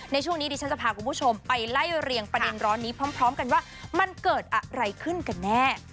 ในช่วงนี้ดิฉันจะพาคุณผู้ชมไปไล่เรียงประเด็นร้อนนี้พร้อมกันว่ามันเกิดอะไรขึ้นกันแน่